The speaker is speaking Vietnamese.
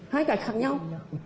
hai cái khác nhau